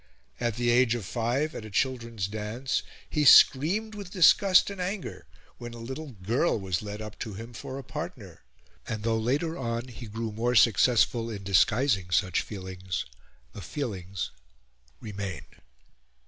At the age of five, at a children's dance, he screamed with disgust and anger when a little girl was led up to him for a partner; and though, later on, he grew more successful in disguising such feelings, the feelings remained.